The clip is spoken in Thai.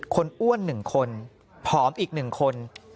อ้วน๑คนผอมอีก๑คน